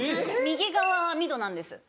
右側は網戸なんです。